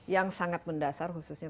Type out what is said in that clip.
yang sangat mendasar khususnya